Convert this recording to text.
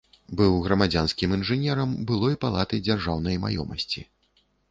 Быў грамадзянскім інжынерам былой палаты дзяржаўнай маёмасці.